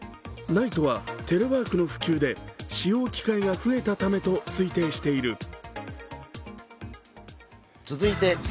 ＮＩＴＥはテレワークの普及で使用機会が増えたためと推定している。